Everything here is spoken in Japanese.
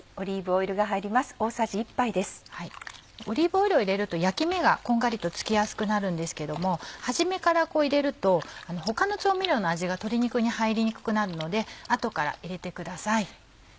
オリーブオイルを入れると焼き目がこんがりとつきやすくなるんですけども初めから入れると他の調味料の味が鶏肉に入りにくくなるので後から入れてください。